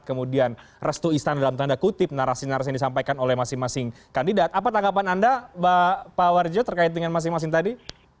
kemudian restu istana dalam tanda kutip narasi narasi yang disampaikan oleh masing masing kandidat apa tanggapan anda pak warjo terkait dengan masing masing tadi